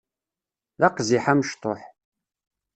D aqziḥ amecṭuḥ.